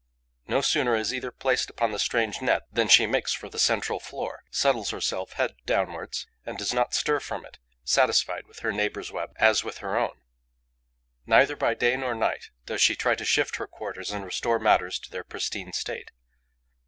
No sooner is either placed upon the strange net than she makes for the central floor, settles herself head downwards and does not stir from it, satisfied with her neighbour's web as with her own. Neither by day nor by night does she try to shift her quarters and restore matters to their pristine state.